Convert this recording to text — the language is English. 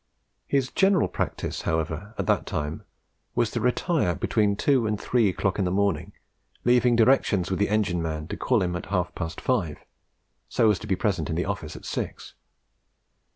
His general practice, however, at that time was, to retire between two and three o'clock in the morning, leaving directions with the engine man to call him at half past five, so as to be present in the office at six.